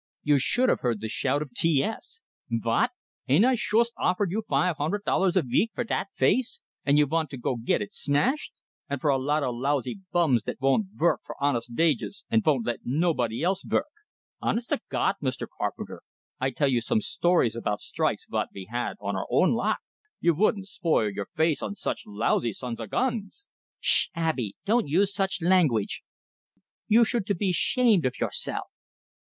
You should have heard the shout of T S! "Vot? Ain't I shoost offered you five hunded dollars a veek fer dat face, and you vant to go git it smashed? And fer a lot o' lousy bums dat vont vork for honest vages, and vont let nobody else vork! Honest to Gawd, Mr. Carpenter, I tell you some stories about strikes vot we had on our own lot you vouldn't spoil your face for such lousy sons o' guns " "Ssh, Abey, don't use such langwich, you should to be shamed of yourself!"